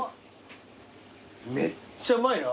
めっちゃうまいな。